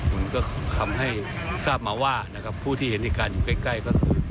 มันก็ทำให้ทราบมาว่าผู้ที่เห็นริการอยู่ใกล้ก็คือ